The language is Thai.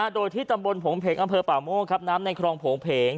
โดยที่ตำบลโผงเพงอำเภอป่าโม่งครับน้ำในครองโผงเพง